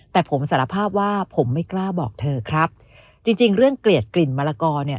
แต่ผมสารภาพว่าผมไม่กล้าบอกเธอครับจริงจริงเรื่องเกลียดกลิ่นมะละกอเนี่ย